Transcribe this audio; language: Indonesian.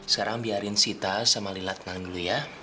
sekarang biarin sita sama lila tengah tengah dulu ya